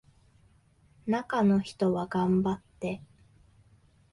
中の人は頑張って